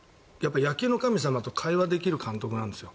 野球の神様と会話できる監督なんですよ。